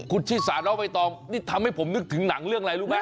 คุณชิสาน้องใบตองนี่ทำให้ผมนึกถึงหนังเรื่องอะไรรู้ไหม